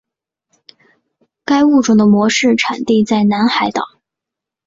该物种的模式产地在海南岛。